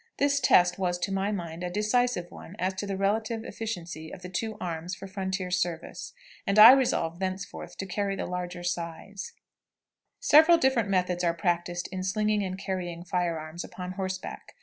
This test was to my mind a decisive one as to the relative efficiency of the two arms for frontier service, and I resolved thenceforth to carry the larger size. [Illustration: THE GRIZZLY.] Several different methods are practiced in slinging and carrying fire arms upon horseback.